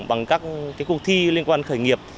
bằng các cuộc thi liên quan đến khởi nghiệp